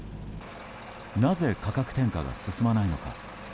なぜ価格転嫁が進まないのか。